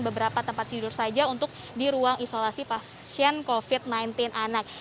beberapa tempat tidur saja untuk di ruang isolasi pasien covid sembilan belas anak